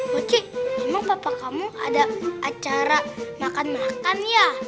oki emang papa kamu ada acara makan makan ya